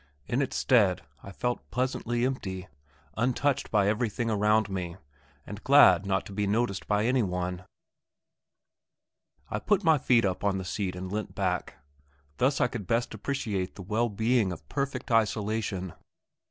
In its stead I felt pleasantly empty, untouched by everything around me, and glad not to be noticed by any one. I put my feet up on the seat and leant back. Thus I could best appreciate the well being of perfect isolation.